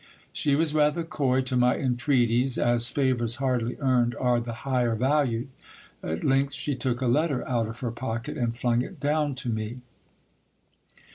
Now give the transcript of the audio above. She was rather coy to my entreaties, as favours hardly earned are the higher valued : at length she took a letter out of her pocket, and flung it down to me.